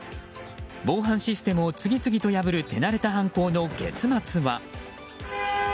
防犯システムを次々と破る手慣れた犯行の結末は。